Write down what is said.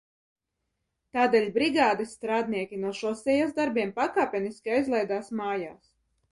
Tādēļ brigādes strādnieki no šosejas darbiem pakāpeniski aizlaidās mājās.